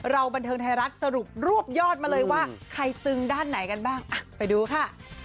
บันเทิงไทยรัฐสรุปรวบยอดมาเลยว่าใครตึงด้านไหนกันบ้างไปดูค่ะ